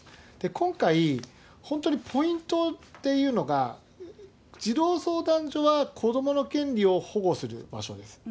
今回、本当にポイントっていうのが、児童相談所は子どもの権利を保護する場所です。